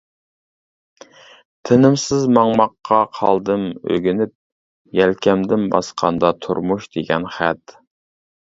تىنىمسىز ماڭماققا قالدىم ئۆگىنىپ، يەلكەمدىن باسقاندا تۇرمۇش دېگەن خەت.